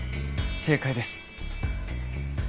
正解です。